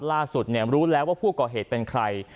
รู้แล้วว่าผู้ก่อเหตุเป็นใคร